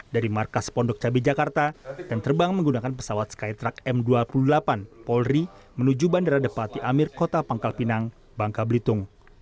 dari markas pondok cabai jakarta dan terbang menggunakan pesawat skytruck m dua puluh delapan polri menuju bandara depati amir kota pangkal pinang bangka belitung